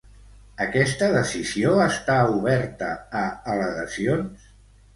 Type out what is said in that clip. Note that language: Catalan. Aquesta decisió està oberta a al·legacions?